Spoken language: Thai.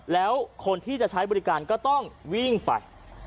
แล้วคนที่จะใช้บริการก็ต้องวิ่งไป